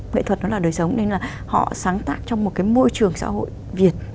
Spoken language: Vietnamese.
nghệ thuật nó là đời sống nên là họ sáng tác trong một cái môi trường xã hội việt